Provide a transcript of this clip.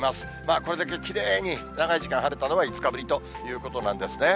これだけきれいに、長い時間晴れたのは、５日ぶりということなんですね。